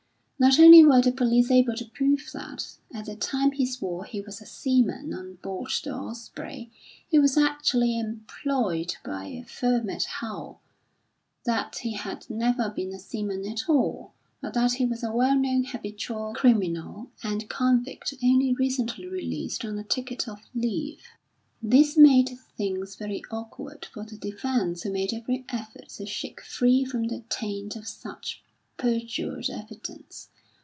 Not only were the police able to prove that, at the time he swore he was a seaman on board the Osprey, he was actually employed by a firm at Hull; that he had never been a seaman at all; but that he was a well known habitual criminal and convict only recently released on a ticket of leave. This made things very awkward for the defence who made every effort to shake free from the taint of such perjured evidence.